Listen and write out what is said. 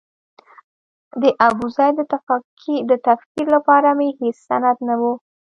د ابوزید د تکفیر لپاره مې هېڅ سند نه و.